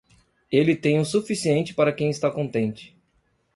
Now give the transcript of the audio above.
Ele tem o suficiente para quem está contente.